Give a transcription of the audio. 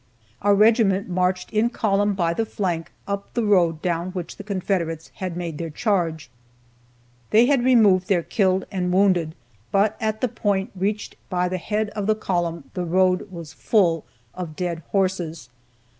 Our regiment marched in column by the flank up the road down which the Confederates had made their charge. They had removed their killed and wounded, but at the point reached by their head of column, the road was full of dead horses.